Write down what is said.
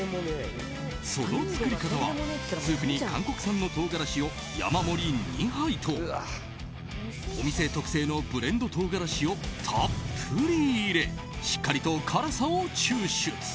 その作り方は、スープに韓国産の唐辛子を山盛り２杯とお店特製のブレンド唐辛子をたっぷり入れしっかりと辛さを抽出。